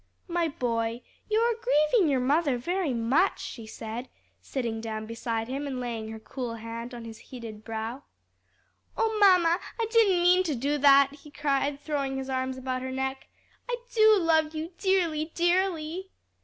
"My boy, you are grieving your mother very much," she said, sitting down beside him and laying her cool hand on his heated brow. "O mamma, I didn't mean to do that!" he cried, throwing his arms about her neck. "I do love you dearly, dearly."